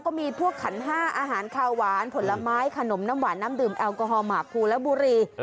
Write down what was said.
ก็มีพวกขันห้าอาหารคาวหวานผลไม้ขนมน้ำหวานน้ำดื่มแอลกอฮอลหมากภูและบุรี